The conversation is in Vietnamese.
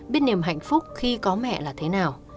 biết niềm hạnh phúc khi có mẹ là thế nào